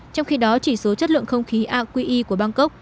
trong khi đó chỉ số chất lượng không khí aqi của bangkok